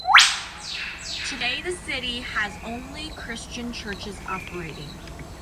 Today the city has only Christian churches operating.